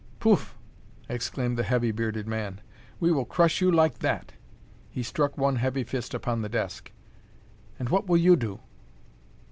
"Poof!" exclaimed the heavy, bearded man. "We will crush you like that!" He struck one heavy fist upon the desk. "And what will you do?"